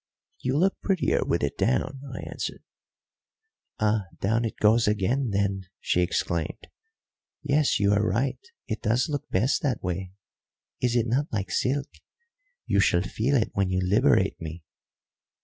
"You look prettier with it down," I answered. "Ah, down it goes again then!" she exclaimed. "Yes, you are right, it does look best that way. Is it not like silk? You shall feel it when you liberate me."